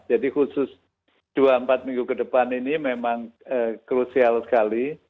jadi khusus dua empat minggu ke depan ini memang krusial sekali